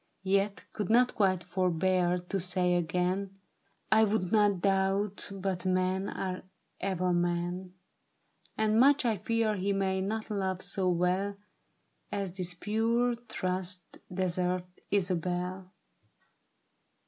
Yet could not quite forbear to say again, ' I would not doubt, but men are ever men, And much I fear he may not love so well As this pure trust deserveth, Isabel.'